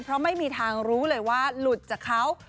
เพราะไม่มีทางรู้เลยว่าหลุดจากเขา